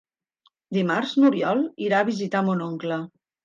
Dimarts n'Oriol irà a visitar mon oncle.